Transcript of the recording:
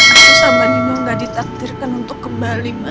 aku sama nino gak ditaktirkan untuk kembali ma